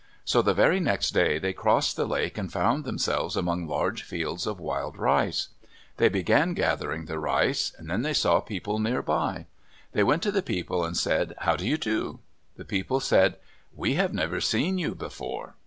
So the very next day they crossed the lake and found themselves among large fields of wild rice. They began gathering the rice, then they saw people near by. They went to the people and said, "How do you do?" The people said, "We have never seen you before."